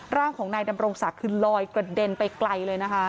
ร่างของนายดำรงศักดิ์คือลอยกระเด็นไปไกลเลยนะคะ